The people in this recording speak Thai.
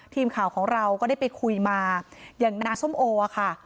ทีมข่าวของเราก็ได้ไปคุยมาอย่างนานาส้มโอค่ะ